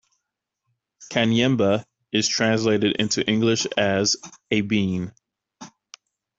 Kanyemba is translated into English as "a bean".